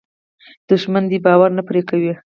دښمنان دې باور نه پرې کوي.